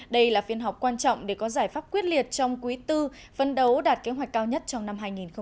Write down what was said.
đây là phiên họp quan trọng để có giải pháp quyết liệt trong quý iv phấn đấu đạt kế hoạch cao nhất trong năm hai nghìn một mươi sáu